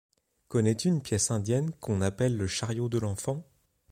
Connais-tu une pièce indienne qu’on appelle le Chariot de l’Enfant?